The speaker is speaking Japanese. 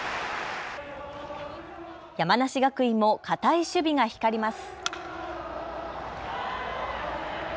山梨学院も堅い守備が光ります。